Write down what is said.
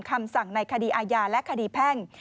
คำสั่งในคดีอาญาและคดีแพ่ง